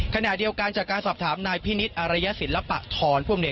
ขณะเดียวกันจากการสอบถามนายพินิศอรัยสินลปะทอน